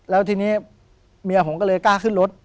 แล้วทีนี้เมียผมก็เลยกล้าขึ้นรถ